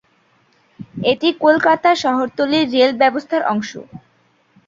এটি কলকাতা শহরতলি রেল ব্যবস্থার অংশ।